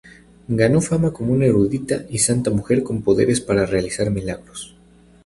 Ganó fama como una erudita y santa mujer con poderes para realizar milagros.